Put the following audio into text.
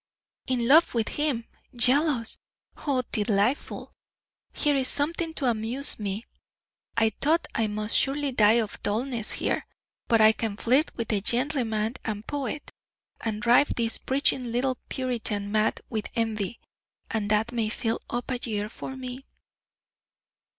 "In love with him! Jealous! Oh, delightful! Here is something to amuse me. I thought I must surely die of dullness here, but I can flirt with the 'gentleman and poet,' and drive this preaching little puritan mad with envy, and that may fill up a year for me.